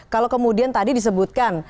kalau kemudian tadi disebutkan